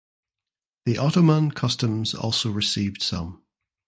The Ottoman customs also received some.